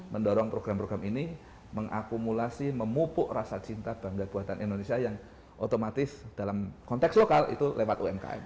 mendorong program program ini mengakumulasi memupuk rasa cinta bangga buatan indonesia yang otomatis dalam konteks lokal itu lewat umkm